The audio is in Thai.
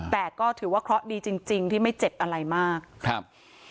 แต่ก็ถือว่าเคราะห์ดีจริงจริงที่ไม่เจ็บอะไรมากครับ